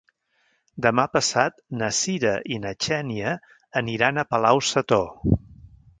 Demà passat na Cira i na Xènia aniran a Palau-sator.